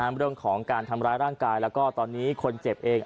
เรื่องของการทำร้ายร่างกายแล้วก็ตอนนี้คนเจ็บเอง